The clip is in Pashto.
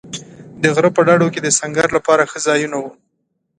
د غره په ډډو کې د سنګر لپاره ښه ځایونه و.